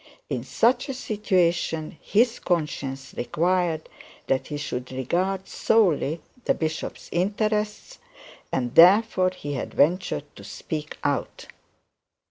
In such a situation his conscience required that he should regard solely the bishop's interests, and therefore he had ventured to speak out.